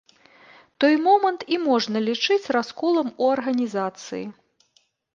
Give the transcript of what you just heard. Той момант і можна лічыць расколам у арганізацыі.